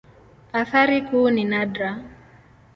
Athari kuu ni nadra.